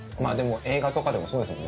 映画とかでもそうですよね。